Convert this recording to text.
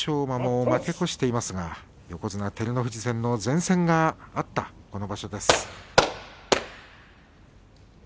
馬も負け越していますが横綱照ノ富士戦の善戦があったこの場所です。